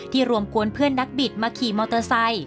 รวมกวนเพื่อนนักบิดมาขี่มอเตอร์ไซค์